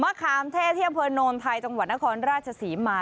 ขามเท่ที่อำเภอโนนไทยจังหวัดนครราชศรีมา